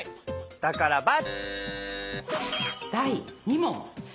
だから×！